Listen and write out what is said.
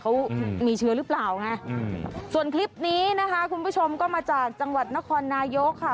เขามีเชื้อหรือเปล่าไงอืมส่วนคลิปนี้นะคะคุณผู้ชมก็มาจากจังหวัดนครนายกค่ะ